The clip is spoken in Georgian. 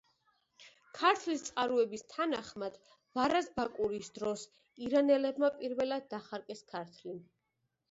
ქართლის წყაროების თანახმად, ვარაზ-ბაკურის დროს ირანელებმა პირველად დახარკეს ქართლი.